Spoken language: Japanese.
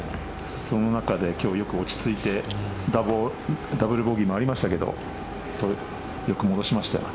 その中で今日よく落ち着いてダブルボギーもありましたけどよく戻しましたよね。